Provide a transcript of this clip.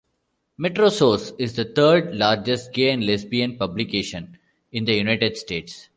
"Metrosource" is the third largest gay and lesbian publication in the United States.